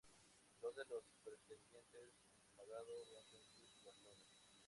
Dos de los pretendientes, enfadados, rompen sus bastones.